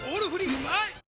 うまい！